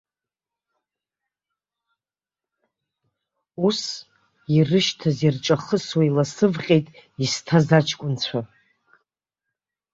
Ус, ирышьҭаз ирҿахысуа иласывҟьеит исҭаз аҷкәынцәа.